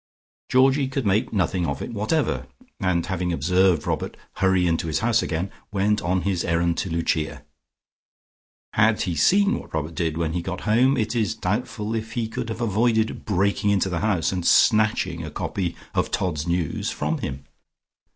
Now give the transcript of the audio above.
Georgie could make nothing of it whatever, and having observed Robert hurry into his house again, went on his errand to Lucia. Had he seen what Robert did when he got home, it is doubtful if he could have avoided breaking into the house and snatching a copy of "Todd's News" from him....